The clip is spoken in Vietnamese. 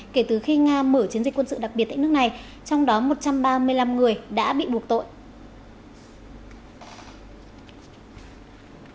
kể từ khi nga mở chiến dịch quân sự đặc biệt tại nước này trong đó một trăm ba mươi năm người đã bị buộc tội